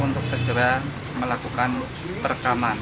untuk segera melakukan perekaman